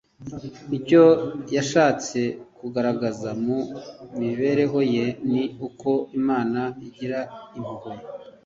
Icyo yashatse kugaragaza mu mibereho ye ni uko Imana igira impuhwe